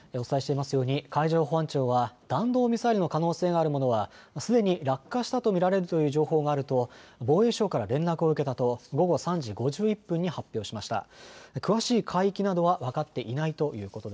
お伝えしていますように海上保安庁は弾道ミサイルの可能性があるものは、すでに落下したと見られるという情報があると防衛省から連絡を受けたと午後３時５１分に発表しました。